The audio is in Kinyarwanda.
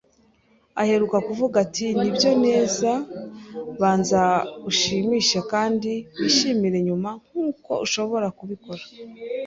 Aheruka kuvuga ati: "Nibyo, neza, banza ushimishe kandi wishimire nyuma, nkuko ushobora kubikora